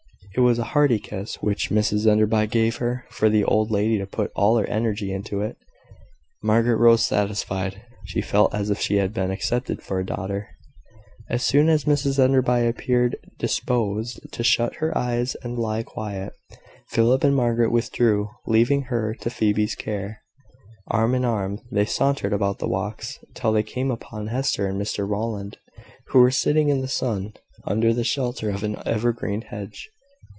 It was a hearty kiss which Mrs Enderby gave her, for the old lady put all her energy into it. Margaret rose satisfied; she felt as if she had been accepted for a daughter. As soon as Mrs Enderby appeared disposed to shut her eyes and lie quiet, Philip and Margaret withdrew, leaving her to Phoebe's care. Arm in arm they sauntered about the walks, till they came upon Hester and Mr Rowland, who were sitting in the sun, under the shelter of an evergreen hedge.